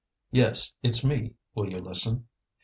"Yes, it's me. Will you listen?"